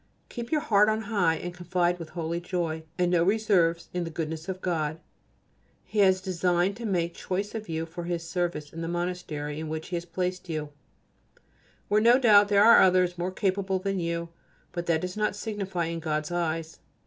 Keep your heart on high and confide with holy joy, and no reserves, in the goodness of God. He has designed to make choice of you for His service in the Monastery in which He has placed you: where no doubt there are others more capable than you, but that does not signify in God's eyes.